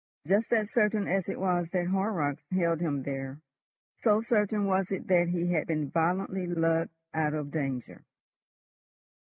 Just as certain as it was that Horrocks held him there, so certain was it that he had been violently lugged out of danger.